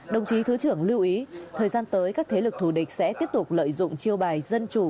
đồng chí thứ trưởng lưu ý thời gian tới các thế lực thù địch sẽ tiếp tục lợi dụng chiêu bài dân chủ